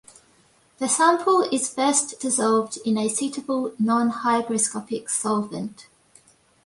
The sample is first dissolved in a suitable, non hygroscopic solvent.